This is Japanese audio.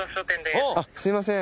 すいません。